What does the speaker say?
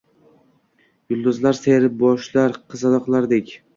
Yulduzlar sayr boshlar qizg’aldoqlardek